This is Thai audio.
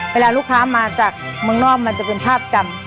เวลาลูกค้ามาจากเมืองนอกมันจะเป็นภาพจำ